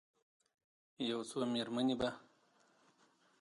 یو څو میرمنې به،